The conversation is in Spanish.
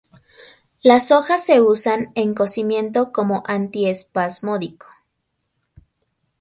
Las hojas se usan en cocimiento como antiespasmódico.